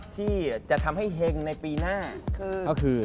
ที่จะทำให้เฮงในปีหน้าก็คือ